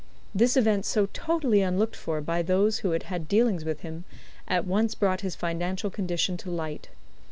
This event so totally unlooked for by those who had had dealings with him, at once brought his financial condition to light.